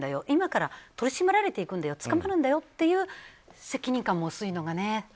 今から取り締まられていくんだよ捕まるんだよという責任感も薄いのがね。